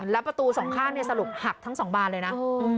แล้วประตูสองข้างสรุปหักทั้ง๒บานเลยนะ